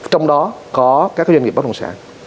trong đó có các doanh nghiệp bất đồng sản